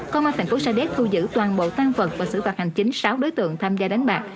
công an thành phố sa đéc thu giữ toàn bộ tăng vật và xử phạt hành chính sáu đối tượng tham gia đánh bạc